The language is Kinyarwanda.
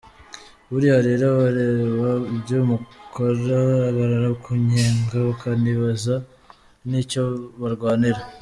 Buriya rero abareba ibyo umukora barakunnyega bakanibaza n’icyo barwanira!